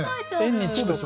縁日とか。